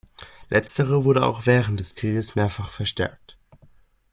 Letztere wurde auch während des Krieges mehrfach verstärkt.